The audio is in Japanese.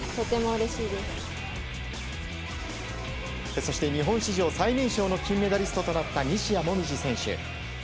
そして日本史上最年少の金メダリストとなった西矢椛選手。